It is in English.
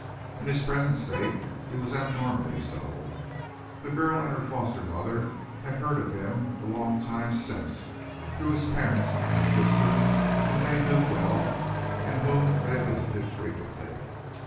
In his present state he was abnormally so. This girl and her foster mother had heard of him a long time since through his parents and his sister, whom they knew well and whom they visited frequently.